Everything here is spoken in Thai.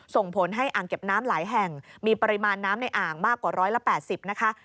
ส่งผลให้อ่างเก็บน้ำหลายแห่งมีปริมาณน้ำในอ่างมากกว่า๑๘๐นะคะ